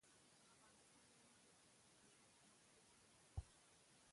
افغانستان له د هېواد مرکز ډک دی.